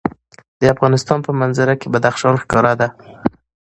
د افغانستان په منظره کې بدخشان ښکاره ده.